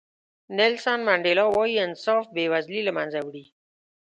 نیلسن منډیلا وایي انصاف بې وزلي له منځه وړي.